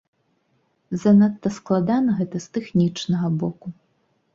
Занадта складана гэта з тэхнічнага боку.